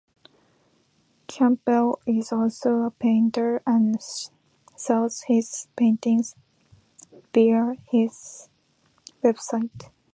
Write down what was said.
Campbell is also a painter, and sells his paintings via his website.